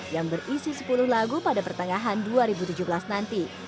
yang berisi sepuluh lagu pada pertengahan dua ribu tujuh belas nanti